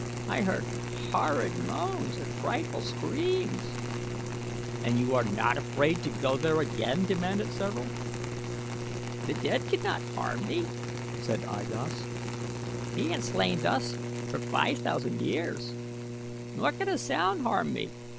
I heard horrid moans and frightful screams." "And you are not afraid to go there again?" demanded several. "The dead cannot harm me," said I Gos. "He has lain thus for five thousand years. Nor can a sound harm me.